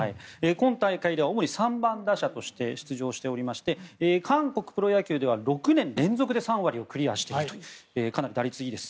今大会では主に３番打者として出場しておりまして韓国プロ野球では６年連続３割をクリアしているというかなり打率いいです。